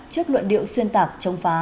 trước luận điệu xuyên tạc trông phá